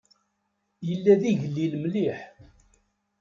Yella d igellil mliḥ.